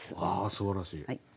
すばらしい。